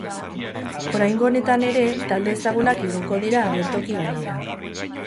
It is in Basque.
Oraingo honetan ere, talde ezagunak igoko dira agertoki gainera.